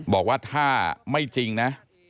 บอกว่าถ้าไม่จริงนะ